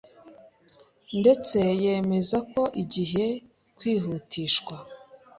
ndetse yemeza ko igiye kwihutishwa,